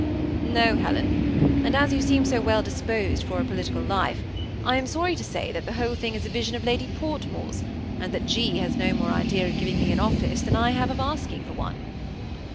^ No, Helen ; and as you seem so well disposed for a political life, I am sorry to say that the whole thing is* a vision of Lady Fortmore's, and that G. has no more ide^of giving me an office than I have of asking for one."